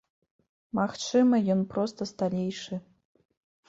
Магчыма, ён проста сталейшы.